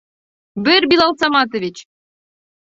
Бер, Билал Саматович!